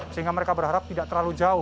sehingga mereka berharap tidak terlalu jauh